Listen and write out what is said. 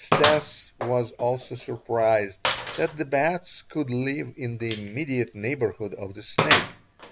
Stas was also surprised that the bats could live in the immediate neighborhood of the snake.